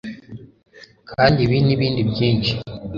Kandi ibi, nibindi byinshi? -